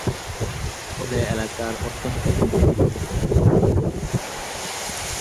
ফলে এলাকার অর্থনৈতিক উন্নতি ঘটেছে।